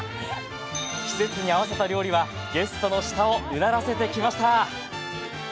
季節に合わせた料理はゲストの舌をうならせてきました！